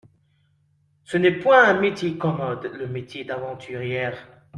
Ce n'est point un métier commode, le métier d'aventurière.